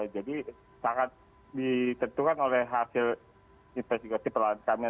jadi sangat ditentukan oleh hasil investigasi pelan kami